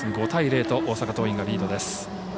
５対０と大阪桐蔭がリードです。